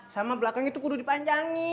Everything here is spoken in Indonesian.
sama belakang itu kudu dipanjangi